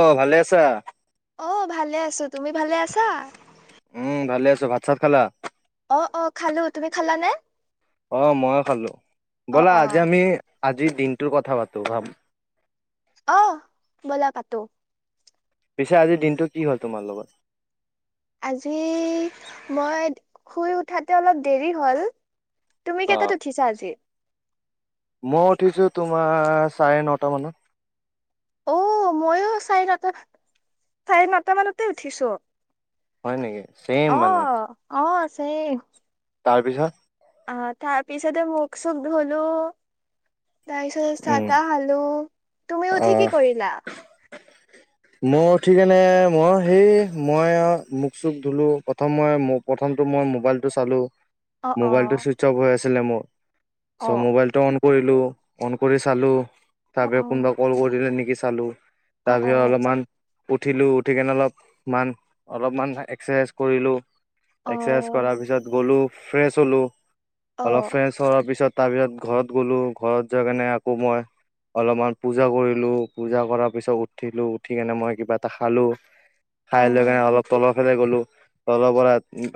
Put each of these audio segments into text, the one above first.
অ', ভালে আছা? অ' ভালে আছোঁ। তুমি ভালে আছা? উম, ভালে আছোঁ। ভাত চাত খালা? অ', অ' খালোঁ। তুমি খালানে? অ' মইও খালোঁ। অ ব'লা অ আজি আমি আজিৰ দিনটোৰ কথা পাতোঁ, ভাম অ' ব'লা পাতোঁ। পিছে আজিৰ দিনটোত কি হ'ল তোমাৰ লগত? আজি মই শুই উঠাতে অলপ দেৰি হ'ল। তুমি অ কেইটাত উঠিছা আজি? মই উঠিছো তোমাৰ চাৰে নটা মানত। অ' মইও চাৰে নটা, চাৰে নটা মানতে উঠিছো। হয় নেকি, ছেইম অ মানে। অ', ছেইম। তাৰপিছত? আ, তাৰ পিছতে মুখ চুখ ধোলো। তাৰপিছত চাহ উম তাহ খালোঁ। তুমি অ উঠি কি কৰিলা? মোও উঠি কেনে মইও সেই মই আৰু মোক চুখ ধোলো, প্ৰথম মই মুখ প্ৰথমতো মই মোবাইলটো চালোঁ। অ অ মোবাইলটো চুইচ অফ হৈ আছিলে মোৰ, অ ত' মোবাইলটো অন কৰিলোঁ, অন কৰি চালোঁ অ তাৰপিছত কোনোবা কল কৰিলে নেকি চালোঁ, অ অ অ তাৰপিছত অলপ উঠিলো উঠি কেনে অলপ মান অলপমান এক্সাৰচাইজ কৰিলোঁ। এক্সাৰচাইজ কৰাৰ অ পিছত গ'লোঁ, ফ্ৰেচ হ'লো, অ অলপ ফ্ৰেচ চৰাৰ পিছত তাৰ পিছত ঘৰত গ'লো ঘৰত যাই কেনে আকৌ মই অলপমান পূজা কৰিলো পূজা কৰাৰ পিছত উঠিলো উঠিকেনে মই কিবা এটা খালো খাই লৈ কেনে অলপ তলৰফালে গ'লো তলৰ পৰা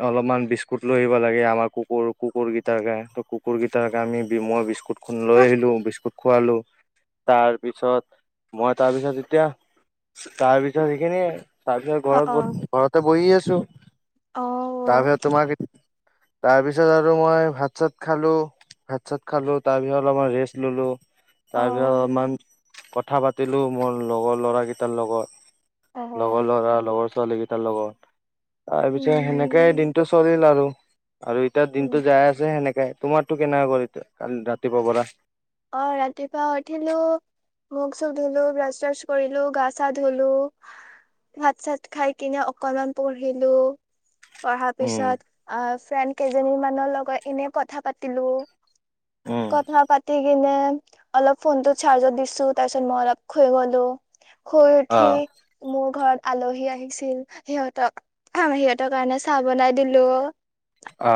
অলপমান বিস্কুট লৈ আহিব লাগে আমাৰ কুকুৰ কুকুৰ কেইটাৰ কাৰণে। কুুৰকেইটাৰ কাৰণে বিময় বিস্কুট লৈ আহিলোঁ বিস্কুট খোৱালোঁ তাৰপিছত মই তাৰপিছত এতিয়া তাৰ পিছত সেইখিনিয়ে তাৰপিছত অ ঘৰত ব অ ঘৰতে বহি আছো অ', তাৰপিছত তোমাক তাৰপিছত আৰু মই ভাত চাত খালো ভাত চাত খালো তাৰপিছত অলপমমান ৰেষ্ট ললোঁ তাৰপিছত অ', অলপমান কথা পাতিলো মোৰ লগৰ লৰাকেইটাৰ লগত লগৰ অ', ল'ৰা লগৰ ছোৱালীকেইটাৰ লগত তাৰপিছত সেনেকাই উম, দিনটো চলিল আৰু আৰু এতিয়া উম, দিনটো যাই আছে সেনেকাই তোমাৰতো কেনেকা কৰি কালি ৰাতিপুৱাৰ পৰা অ ৰাতিপুৱা উঠিলো মুখ-চুখ ধোলো ব্ৰাছ চ্ৰাছ কৰিলো গা-চা ধোলো ভাত-চাত খাই কিনে অকনমান পঢ়িলো পঢ়াৰ উম পিছত ফ্ৰেন্ড কেইজনী মানৰ লগত এনে কথা পাতিলো উম কথা পাত কিনে অলপ ফোন টো চাৰ্জত দিছো তাৰ পিছত মই অলপ শুই গলো শু অ উঠি মোৰ ঘৰত আলহী আহিছিল সিহঁতক সিহঁতৰ কাৰণে চাহ বনাই দিলো আ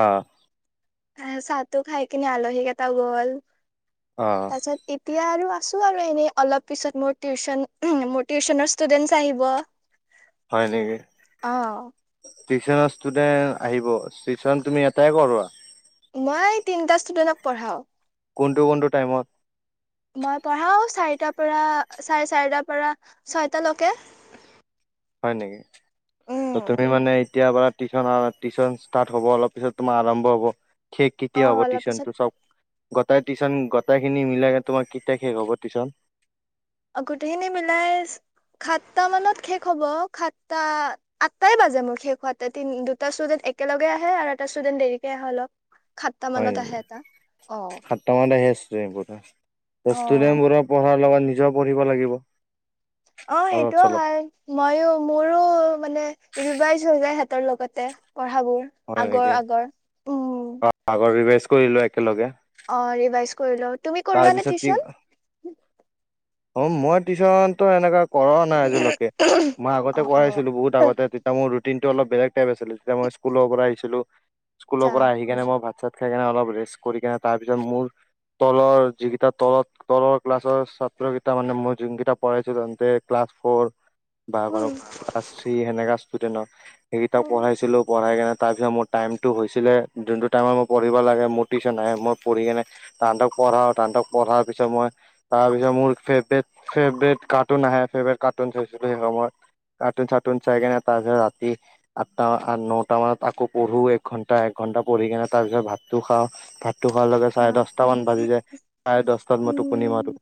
চাহটো খাই কিনে আলহী কেইটা গল অ তাৰ পিছত এতিয়া আৰু আছো আৰু এনেই অলপ পিছত মোৰ টিউচন মোৰ টিউচনৰ ষ্টুডেন্ট্ছ আহিব হয় নেকি! অ' টিউশচনৰ ষ্টুডেন্ট আহিব টিউশন তুমি এটাই কৰোৱা? মই তিনিটা ষ্টুডেন্টক পঢ়াও। কোনটো কোনটো টাইমত? মই পঢ়াও চাৰিটাৰ পৰা চাৰে চাৰিটাৰ পৰা ছয়টালৈকে হয় নেকি! ত উম তুমি মানে এতিয়াৰ পৰা টিউশনৰ টিউশন ষ্টাৰ্ট হব অলপিছত তোমাৰ আৰম্ভ হব। শেষ অ' কেতিয়া হ'ব অলপ পিছত টিউশচনটো চব? গটাই টিশচন গোটেই খিন মিলাই তোমাৰ কেতিয়া শেষ হব টিশচন? অ গোটেইখিনি মিলাই সাতটা মানত শেষ হব সাতটাত আটাই বাজে মোক শেষ হোৱাতে তিনি দুটা ষ্টুডেণ্ট একেলগে আহে আৰু এটা ষ্টুডেণ্ট দেৰিকে আহে অলপ সাতটা হয় মানত নেকি আহে এটা। অ' সাতটামান আহে ষ্টুডেণ্ট অ ষ্টুডেণ্ট বোৰক পঢ়াৰ লগত নিজেও পঢ়িব লাগিব অ অলপ সেইটোও চলপ হয়। ময়ো মোৰো মানে ৰিভাইজ হৈ যায় সিহঁতৰ লগতে পঢ়াবোৰ। হয় আগৰ নেকে আগৰ উম অ আগৰ ৰিভাইজ কৰিলো একেলগে। অ ৰিভাইজ কৰিলও। তাৰপিছত কি ক [inaudible] অ মই টিশনতো এনেকা কৰা নাই আজিলৈকে মই অ আগতে অ কৰাইছিলো বহুত আগতে তেতিয়া মোৰ ৰুটিন টো অলপ বেলেগ আছিলে তেতিয়া মই স্কুলৰ পৰা আহিছিলো স্কুলৰ আচ্ছা পৰা আহি কেনে মই ভাত চাত খাই কিনে অলপ ৰেষ্ট কৰি কিনে তাৰপিছত মোৰ তলৰ যিকেইটা তলত তলৰ ক্লাছৰ ছাত্ৰ কেইটা মানে মই যোনকেইটা পঢ়াইছিলো [unintelligible] ক্লাছ ফ'ৰ বা উম ক্লাছ থ্ৰী সেনেকা ষ্টুডেন্টৰ অ সেইকেইটাক পঢ়াইছিলো পঢ়াই কিনে তাৰ পিছত মোৰ টাইমতো হৈছিলে যোনটো টাইমত মই পঢ়িব লাগে মোৰ টিচন আহে মই পঢ়ি কেনে তাহাঁতক পঢ়াওঁ, তাহাঁতক পঢ়াৰ পিছত মই তাৰপিছত মোৰ ফেভৰেত ফেভৰেত কাৰ্টুন আহে ফেভৰেট কাৰ্টুন চাইছিলো সেই সময়ত। কাৰ্টুন-চাৰ্টুন চাইকেনে তাৰ পিছত ৰাতি আঠটা নটা মানত আকৌ পঢ়ো এক ঘন্টা একঘণ্টা পঢ়ি কিনে তাৰ পিছত ভাতটো খাওঁ। ভাতটো খোৱা লগে টামান ভাজি চাৰে দহটাত মই টোপনি মাৰো, উম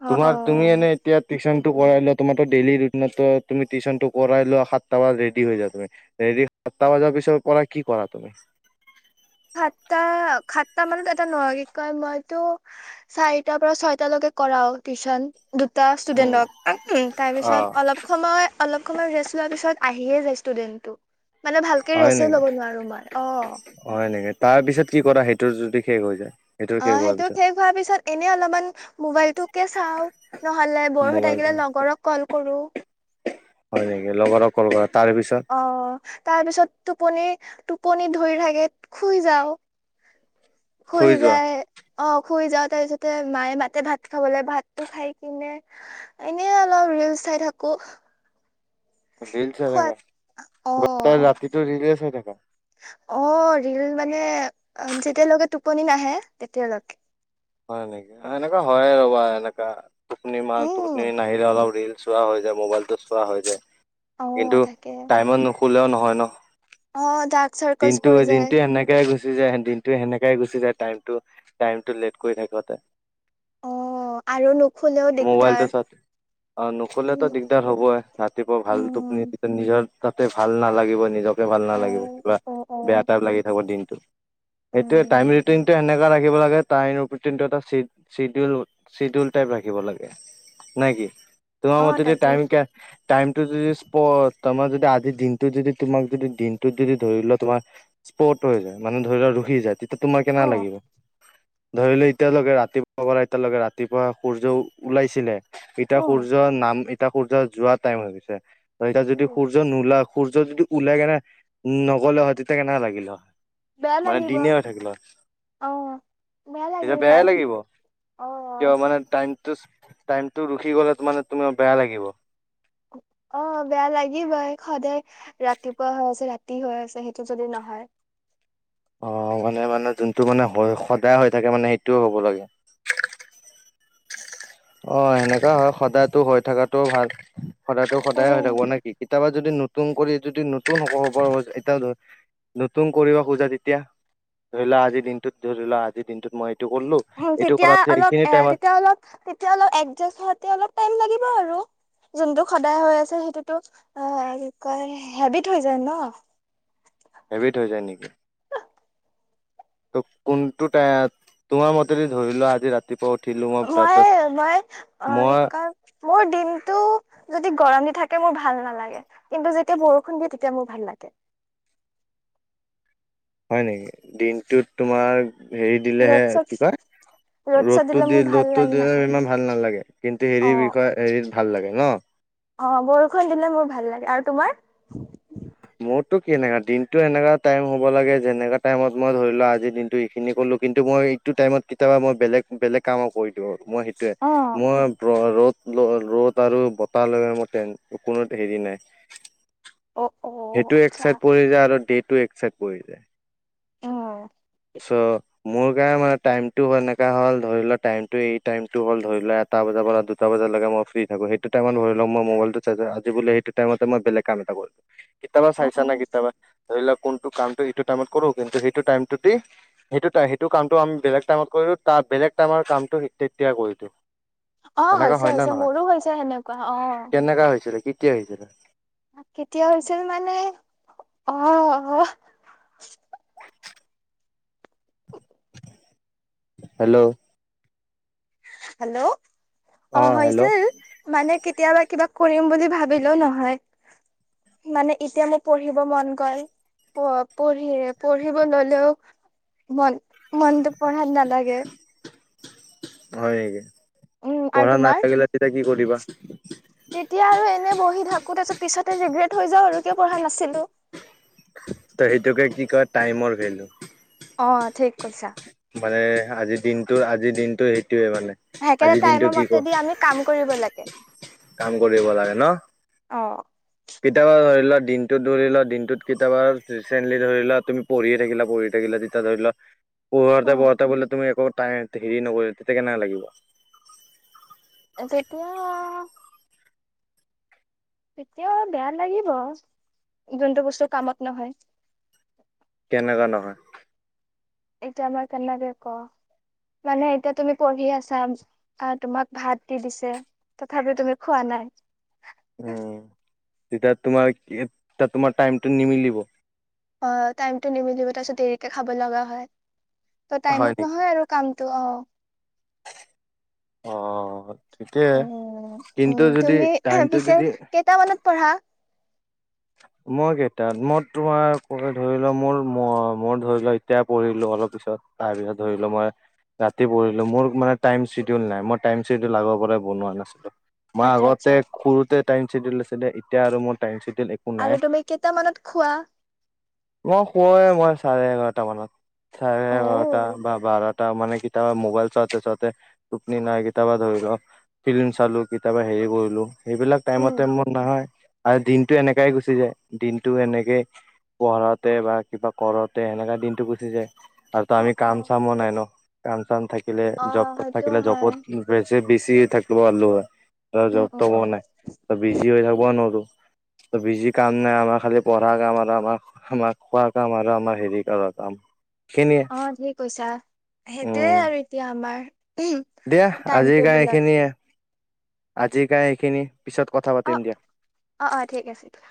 অ অ তোমাৰ তুমি এনেই এতিয়া টিউচনটো কৰাই লোৱা তোমাৰো ডেইলি ৰুটিনতটো তুমি টিউশনটো কৰাই লোৱা সাতটা বাত ৰেডি হৈ যা তুমি। [unintelligible] সাতটা বাজাৰ পিছৰ পৰা কি কৰা তুমি? সাতটা সাতটা মানত এটা নহয় কি কয় মইতো চাৰিটাৰ পৰা ছয়টালৈকে কৰাও টিউশচন। দুটা ষ্টুডেন্টক তাৰ পিছত অলপ সময় অলপ সময় ৰেষ্ট লোৱাৰ পিছত আহিয়ে যায় ষ্টুডেণ্টটো। মানে ভালকে হয় ৰেষ্টে নেকি ল'ব নোৱাৰো মই অ'। হয় নেকি, তাৰ পিছত কি কৰা সেইটো যদি শেষ হৈ যায়? সেইটোৰ শেষ অ', হোৱাৰ সেইটো পিছত শেষ হোৱাৰ পিছত এনে অলপমান মোবাইলটোকে চাও। নহলে ব'ৰ হৈ মোবাইল থাকিলে লগৰক ক'ল কৰো। হয় নেকি লগৰক ক'ল কৰা, তাৰে পিছত? অ', তাৰ পিছত টোপনি টোপনি ধৰি থাকে শুই যাও। শুই যায় অ', শুই যাও তাৰ পিছতে মায়ে মাতে ভাত খাবলৈ ভাতটো খাই কিনে এনে অলপ ৰিলচ চাই থাকো। ৰিল চাই থাকা খোৱাত অ গোটেই ৰাতিটো ৰীলে চাই থাকা? অ', ৰিল মানে যেতিয়ালৈকে টোপনি নাহে তেতিয়ালৈকে। হয় নেকি, এনেকা হয় ৰ'বা এনেকা টোপনি মা উম টোপনি নাহিলে অলপ ৰিল চোৱা হৈ যায় মোবাইলটো চোৱা হৈ যায়, অ কিন্তু তাকে টাইমত নুশলেও নহয় ন'? অ', ডাৰ্ক চাৰ্কলছ দিনটো পৰি যায়। [unintelligible] গুচি যায় দিনটো সেনেকাই গুচি যায় টাইম টাইম টো লেট কৰি থাকোঁতে। [inaudible] অ', আৰু নুসুলেও দিগদাৰ। অ', নুশুলে উম তো দিগদাৰ হ'বই ৰাতিপুৱা ভাল টোপনি উম নিজৰ তাতে ভাল নালাগিব নিজকে ভাল অ নালাগিব, কিবা অ অ বেয়া টাইপ লাগি থাকিব দিনটো। সেইটোয়ে উম টাইম ৰিটিন টো সেনেকুৱা ৰাখিব লাগে টাই ৰুটিনটো এটা চি-চিডিউল চিডিউল টাইপ ৰাখিব লাগে নে কি? তোমাৰ অ মতে তাকে টাইম কে টাইমটো যদি স্পট তাৰমানে যদি আজিৰ দিনটো যদি তোমাক যদি দিনটোত যদি ধৰি লোৱা তোমাৰ স্পট হৈ যায় মানে ধৰি লোৱা ৰখি যায়, তেতিয়া তোমাৰ অ কেনেকা লাগিব? ধৰি ল' এতিয়ালৈকে ৰাতিপুৱা পৰা এতিয়ালৈকে ৰাতিপুৱা সূৰ্য ওলাইছিলে। এতিয়া অ সূৰ্যৰ নাম ইটা সূৰ্য যোৱা টাইম হৈ গৈছে। এতিয়া যদি উম সূৰ্য নোলা সূৰ্য যদি ওলাই কেনে নগ'লে হয় তেতিয়া কেনেকা লাগিলে হয়? বেয়া মানে লাগিব দিনে হৈ থাকিল হয় অ'। বেয়া তেতিয়া লাগিল বেয়াই হয় লাগিব, অ কিয় মানে টাইম টোচ টাইমটো ৰখি গ'লে মানে তোমাৰ বেয়া লাগিব অ বেয়া লাগিবই সদায় ৰাতিপুৱা হৈ আছে ৰাতি হৈ আছে সেইটো যদি নহয় অ মানে মানে যোনটো মানে হৈ সদায় হৈ থাকে মানে সেইটোৱে হ'ব লাগে অ সেনেকা হয় সদায় টো হৈ থকাটোও ভাল সদায়টো সদায় হৈ উম থাকিব নে কি কেতিয়াবা যদি নতু নতুন কৰি যদি নতুন হ'বৰ হ'ব এতিয়া নতুন কৰিব খোজা তেতিয়া ধৰি লোৱা আজিৰ দিনটোত ধৰি লোৱা আজিৰ দিনটোত মই এইটো কৰিলো এইটো তেতিয়া কৰা যে অলপ এ এইখিনি টাইমত তেতিয়া অলপ তেতিয়া হ'লে এডজাষ্ট হওঁতে অলপ টাইম লাগিব আৰু যোনটো সদায় হৈ আছে সেইটোতো অ কি কয় হেবিত হৈ যায় ন হেভিট হৈ যায় নেকি ত কোনটো টাই তোমাৰ মতে দি ধৰিলোৱা আজি ৰাতি ৰাতিপুৱা উঠিলো মই মই অ মই সেইকাৰ মোৰ দিনটো যদি গৰম দি থাকে মোৰ ভাল নালাগে কিন্তু যেতিয়া বৰষুণ দিয়ে তেতিয়া মোৰ ভাল লাগে হয় নেকি দিনটোত তোমাৰ হেৰি ৰ'দ দিলেহে চদ কি ৰ'দ কয় চদ ৰ'দটো দিলে দি মোৰ ভাল ৰ'দটো লাগি দিলে নাথাকে ইমান ভাল নালাগে কিন্তু অ হেৰিৰ বিষয়ে হেৰিত ভাল লাগে ন অ বৰষুণ দিলে মোৰ ভাল লাগে আৰু তোমাৰ মোৰতো কেনেকা দিনটো এনেকা টাইম হ'ব লাগে যেনেকা টাইমত মই ধৰি লোৱা আজি দিনটো এইখিনি কৰিলো কিন্তু মই সেইটো টাইমত কেতিয়াবা মই বেলেগ বেলেগ কামো কৰি দিওঁ মই অ সেইটোয়ে মই ৰ ৰ'দ ৰ ৰ'দ আৰু বতাহ লগে মই তেন কোনো হেৰি নাই অ অ সেইটো আচ্ছা একচাইট পৰি যায় আৰু দে টো একচাইট পৰি যায়। অ চ' মোৰ কাৰণে মানে টাইমটো সেনেকা হ'ল ধৰি লোৱা টাইমটো এই টাইমটো হ'ল ধৰি লোৱা ই এটা বজাৰ পৰা দুটা বজালৈকে মই ফ্ৰী থাকো সেইটো টাইমত ধৰি মই মোবাইলটো চাৰ্জাৰ আজি বোলে সেইটো টাইমতে মই বেলেগ কাম এটা কৰিলোঁ। কেতিয়াবা উম চাইছা উম না কেতিয়াবা ধৰি লোৱা কোনটো কামটো এইটো টাইমত কৰো কিন্তু সেইটো টাইমটোত কৰি সেইটো টাই সেইটো কামটো আমি বেলেগ টাইমত কৰিলো তাৰ বেলেগ টাইমৰ কামটো তেতিয়া কৰিলোঁ। অ এনেকা হৈছে হয় না হৈছে নহয় মোৰো হৈছে সেনেকুৱা অ কেনেকা হৈছিলে কেতিয়া হৈছিলে? কেতিয়া হৈছিল মানে অ অ [inaudible] হেল্ল' হেল্ল' অ হৈছিল মানে কেতিয়াবা কিবা কৰিম বুলি ভাবিলেও নহয় মানে এতিয়া মোৰ পঢ়িব মন গ'ল প পঢ়ি পঢ়িব ললেও মন মনটো পঢ়াত নালাগে হয় উম আৰু পঢ়া তোমাৰ নাথাকিলে তেতিয়া কি কৰিবা? তেতিয়া আৰু এনে বহি থাকো তাৰপিছত পিছতে ৰিগ্ৰেট হৈ যাওঁ আৰু কিয় পঢ়া নাছিলোঁ। তে সেইটোকে কি কয় টাইমৰ ভেলু অ ঠিক কৈছা মানে আজিৰ দিনটো আজিৰ দিনটো সেইটোয়ে মানে সেইকাৰণে আজিৰ দিনটো টাইমৰ কি ক মতেদি আমি কাম কৰিব লাগে কাম কৰিব লাগে ন অ কেতিয়াবা ধৰি লোৱা দিনটোত ধৰি লোৱা দিনটোত কেতিয়াবা ৰিচেন্টলি ধৰি লোৱা তুমি- পঢ়ি থাকিলা পঢ়ি থাকিলা যেতিয়া ধৰি ল- পঢ়োতে উম পঢ়োতে বলে তুমি একো টাইম হেৰি নকৰি তেতিয়া কেনেকা লাগিব? এই তেতিয়া তেতিয়াও বেয়া লাগিব যোনটো বস্তু কামত নহয়।। কেনেকা নহয়। এতিয়া মই কেনেকে কম মানে এতিয়া তুমি পঢ়ি আছা। আহ তোমাক ভাত দি দিছে তথাপি তুমি খোৱা নাই। উমঁ তেতিয়া তোমাৰ তোমাৰ টাইমটো নিমিলিব। অঁ টাইমটো নিমিলিব তাৰপিছত দেৰিকে খাব লগা হয় ত হয় টাইমত নেকি নহয় আৰু। কামটো অঁ। অঁ ঠিকে উম, কিন্তু যদি টাইমটো যদি- কেইটা মানত পঢ়া? মই কেইটাত মই তোমাৰ ধৰি লোৱা মোৰ ম মই ধৰি লোৱা এতিয়া পঢ়িলো অলপ পিছত। তাৰ পিছত ধৰি লোৱা মই- ৰাতি পঢ়িলো মোৰ মানে টাইম চিডিউল নাই মই টাইম চিডিউল আগৰ পৰাই বনোৱা নাছিলো। মই আচ্ছা, আগতে আচ্ছা। সৰুতে টাইম চেডউল আছিল দে এতিয়া আৰু মোৰ টাইম চেডউল এক- আৰু তুমি কেইটামানত খোৱা? মই শুৱৱে মই চাৰে এঘাৰটা মানত চাৰে এঘাৰটা অ', বা বাৰটা। তামানে কেতিয়াবা মোবাইল চাওঁতে চাওঁতে টোপনি নাই কেতিয়াবা ধৰি লও- ফিল্ম চালো কেতিয়াবা হেৰি কৰিলো সেইবিলাক উম। টাইমতে ম নহয় আৰু দিনটো এনেকে - সনেকাই গুচি যায় দিনটো এনেকেই পঢ়োতে বা কিবা কৰোঁতে সেনেকা দিনটো গুচি যায়। আৰু তো অ', আমি কাম অ', চামো নাই ন কাম চাম থাকিলে অ', জবত সেইটো থাকিলে হয়। জবত। বে -বেছি থাকিব পাৰলো হয় উম, উম, জব-টবো নাই ত বিজি হৈ থাকিব নোৰো। বিজি কাম নাই আমাৰ খালি পঢ়া কাম আৰু আমাৰ- আমাৰ খোৱা কাম আৰু আমাৰ হেৰি কৰা কাম। এইখিনিয়ে অঁ ঠিক কৈছা সেইটোয়ে উম আৰু এতিয়া আমাৰ। দিয়া টাইম আজিৰ কাৰ টেবুলত এইখিনিয়ে আজিৰ কাৰ এইখিনি পিছত কথা পাতিম দিয়া। অঁ অঁ ঠিক আছে দিয়া।